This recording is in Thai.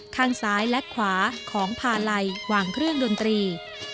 ข้างซ้ายและขวาของพาลัยวางเครื่องดนตรี